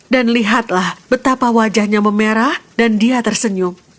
dan lihatlah betapa wajahnya memerah dan dia tersenyum